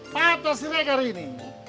patah sendiri hari ini